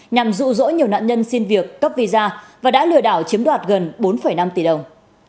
nhằm rụ rỗ nhiều nạn nhân xin việc cấp visa và đã lừa đảo chiếm đoạt gần bốn năm tỷ đồng